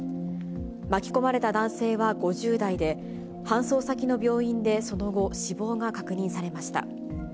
巻き込まれた男性は５０代で、搬送先の病院でその後、死亡が確認されました。